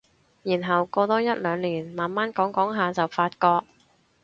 然後過多一兩年慢慢講講下就發覺